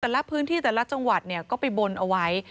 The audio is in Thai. แต่ละพื้นที่แต่ละจังหวัดเนี่ยก็ไปบนเอาไว้